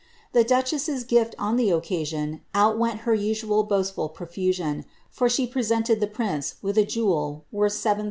The duchess's gifts on the occasion outwent her nsual boast infasion, for she presented the prince with a jewel worth 70002.